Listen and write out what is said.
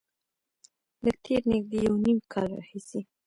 له تېر نږدې یو نیم کال راهیسې